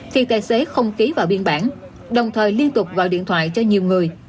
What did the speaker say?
thì tài xế không ký vào biên bản đồng thời liên tục gọi điện thoại cho nhiều người